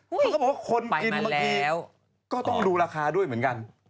เพราะคนกินเมื่อกี้ก็ต้องดูราคาด้วยเหมือนกัน